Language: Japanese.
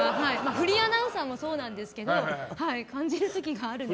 フリーアナウンサーもそうなんですけど感じる時があるので。